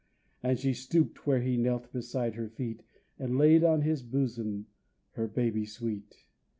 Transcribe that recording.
And she stooped where he knelt beside her feet And laid on his bosom her baby sweet.